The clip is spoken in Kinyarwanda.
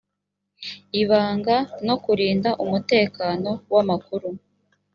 ibanga no kurinda umutekano w amakuru